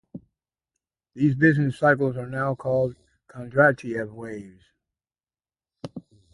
These business cycles are now called "Kondratiev waves".